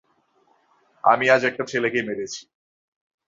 আমি আজ একটা ছেলেকে মেরেছি।